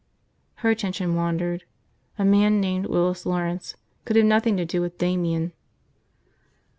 ..." Her attention wandered. A man named Willis Lawrence could have nothing to do with Damian.